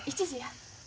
１時や。